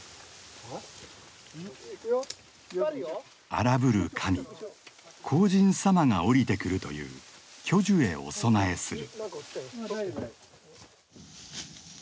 荒ぶる神荒神様が降りてくるという巨樹へお供えする。